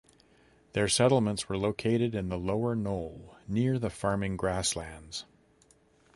Their settlements were located in the lower knoll, near the farming grasslands.